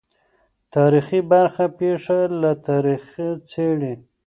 تاریخي برخه پېښه له تاریخه څېړي.